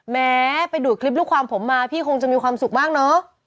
แม้ไปดูดคลิปลูกความผมมาพี่คงจะมีความสุขมากเนอะ